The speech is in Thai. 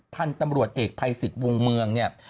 พันธุ์ตำรวจเอกภัยสิทธิ์วงเมืองเนี่ย